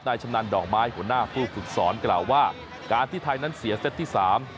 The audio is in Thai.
ชำนาญดอกไม้หัวหน้าผู้ฝึกสอนกล่าวว่าการที่ไทยนั้นเสียเซตที่สาม